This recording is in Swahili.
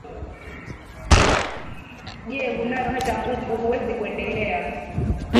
Je hunayo hata nguvu Huwezi kwendelea,